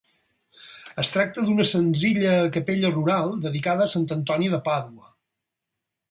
Es tracta d'una senzilla capella rural dedicada a Sant Antoni de Pàdua.